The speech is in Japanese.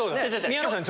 宮野さん